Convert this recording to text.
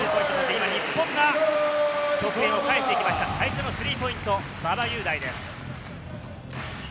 今、日本が得点をかえしてきました、最初のスリーポイント、馬場雄大です。